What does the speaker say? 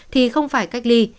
thì không phải cách ly